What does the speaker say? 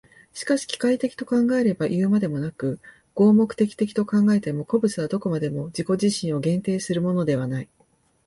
しかし機械的と考えればいうまでもなく、合目的的と考えても、個物はどこまでも自己自身を限定するものではない。